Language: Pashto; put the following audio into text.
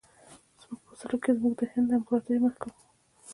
موږ په اصولو کې زموږ د هند امپراطوري محکوموو.